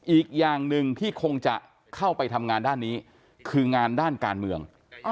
อีกอย่างหนึ่งที่คงจะเข้าไปทำงานด้านนี้คืองานด้านการเมือง